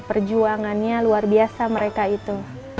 perjuangannya luar biasa mereka itu